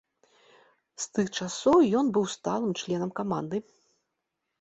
З тых часоў ён быў сталым членам каманды.